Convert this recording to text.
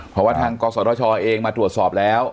เพราะว่าทางกศชเองมาตรวจสอบแล้ว